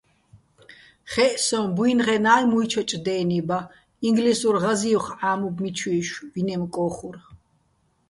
ხე́ჸ სოჼ, ბუჲნღენა́ჲ მუჲჩო̆ დე́ნი ბა, ინგლისურ ღაზი́ვხ ჺამობ მიჩუ́ჲშვ, ვინემ კო́ხურ.